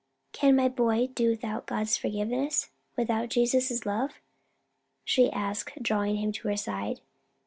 "Can my boy do without God's forgiveness? without Jesus' love?" she asked, drawing him to her side.